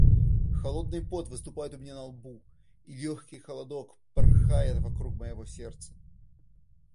Холодный пот выступает у меня на лбу, и легкий холодок порхает вокруг моего сердца.